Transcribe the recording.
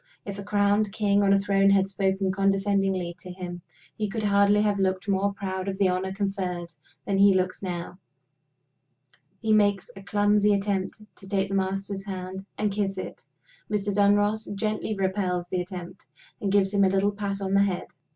If a crowned king on a throne had spoken condescendingly to him, he could hardly have looked more proud of the honor conferred than he looks now. He makes a clumsy attempt to take the Master's hand and kiss it. Mr. Dunross gently repels the attempt, and gives him a little pat on the head.